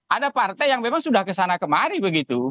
ada partai yang memang sudah kesana kemari begitu